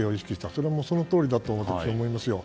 それもそのとおりだと思いますよ。